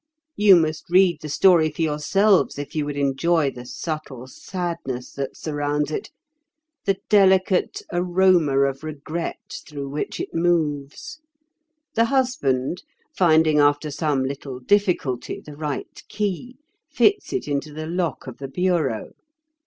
"You must read the story for yourselves if you would enjoy the subtle sadness that surrounds it, the delicate aroma of regret through which it moves. The husband finding after some little difficulty the right key, fits it into the lock of the bureau.